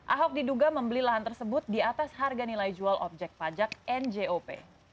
ahok diduga membeli lahan tersebut di atas harga nilai jual objek pajak njop